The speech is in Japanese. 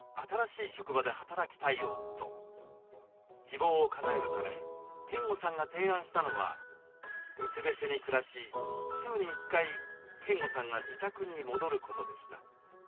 希望をかなえるため健吾さんが提案したのは別々に暮らし週に１回健吾さんが自宅に戻ることでした。